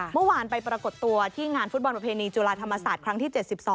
เมื่อวานไปปรากฏตัวที่งานฟุตบอลประเพณีจุฬาธรรมศาสตร์ครั้งที่๗๒